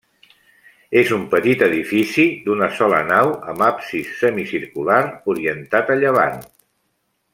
És un petit edifici d'una sola nau amb absis semicircular orientat a llevant.